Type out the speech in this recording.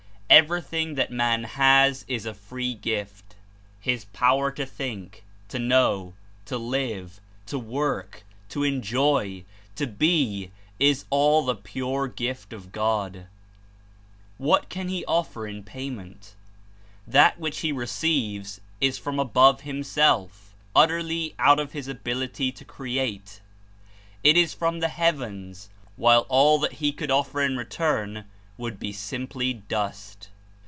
Everything that man has is a free gift, his power to think, to know, to live, to work, to enjoy, to be, is all the pure gift of God. What can he offer in payment? That which he re ceives is from above himself, utterly out of his abil ity to create; it is from the heavens, while all that he could offer in return would be simply dust.